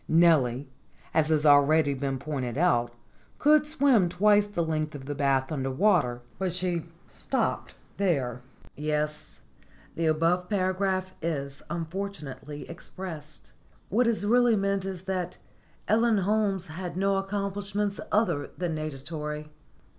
Nellie, as has already been pointed out, could swim twice the length of the bath under water. But she stopped there. Yes, the above paragraph is unfortunately expressed. What is really meant, is that Ellen Holmes had no accomplishments other than natatory.